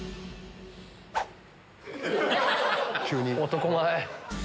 男前！